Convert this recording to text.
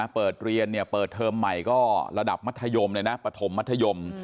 เปิดเรียนเปิดเทอมใหม่ก็ระดับมัธยมเลยนะปฐมมัธยม